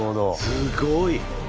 すごい。